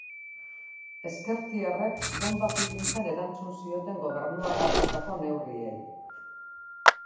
Ezkertiarrek bonbak ipintzen erantzun zioten gobernuak hartutako neurriei.